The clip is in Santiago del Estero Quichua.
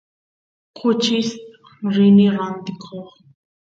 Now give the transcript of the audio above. kuchista rini rantikoq